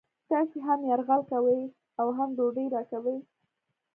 تاسې هم یرغل کوئ او هم ډوډۍ راکوئ